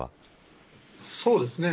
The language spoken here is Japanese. そうですね。